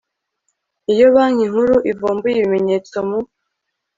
Iyo Banki Nkuru ivumbuye ibimenyetso mu